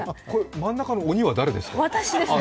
真ん中の鬼は誰ですか？